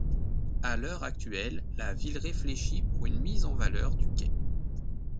À l'heure actuelle, la ville réfléchit pour une mise en valeur du quai.